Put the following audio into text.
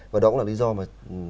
và đó cũng là lý do mà